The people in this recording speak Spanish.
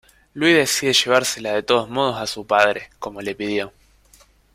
Lui decide llevársela de todos modos a su padre, como le pidió.